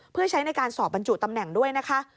เพื่อใช้ในการสอบบรรจุตำแหน่งด้วยนะคะ